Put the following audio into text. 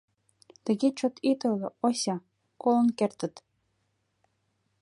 — Тыге чот ит ойло, Ося, колын кертыт.